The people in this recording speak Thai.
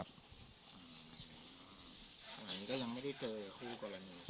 อาทิตย์มันก็ยังไม่ได้เจอไหนคู่กันแล้วเหนือ